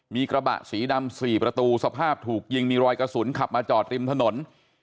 มีกระบะสีดำ๔ประตูสภาพถูกยิงมีรอยกระสุนขับมาจอดริมถนน